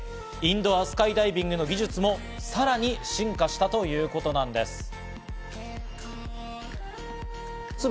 インドアスカイダイビングの技術もさらに進化したということなんです。